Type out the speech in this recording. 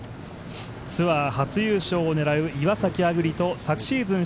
ツアー初優勝を狙う岩崎亜久竜と昨シーズン